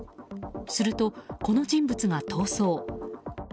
すると、この人物が逃走。